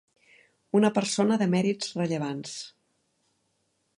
Una persona de mèrits rellevants.